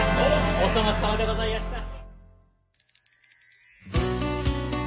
お粗末さまでございやした！